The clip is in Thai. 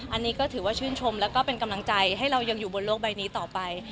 อันนี้ก็ถือว่าชื่นชมแล้วก็เป็นกำลังใจให้เรายังอยู่บนโลกใบนี้ต่อไป